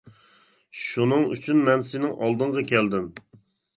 شۇنىڭ ئۈچۈن مەن سېنىڭ ئالدىڭغا كەلدىم.